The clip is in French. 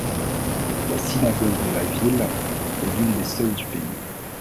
La synagogue de la ville est l'une des seules du pays.